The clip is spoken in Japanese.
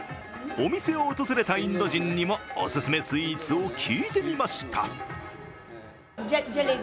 お店を訪れたインド人にも、オススメスイーツを聞いてみました。